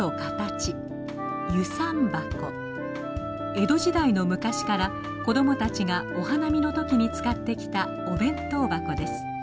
江戸時代の昔から子供たちがお花見の時に使ってきたお弁当箱です。